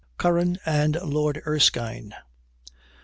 CURRAN AND LORD ERSKINE.